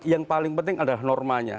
yang paling penting adalah normanya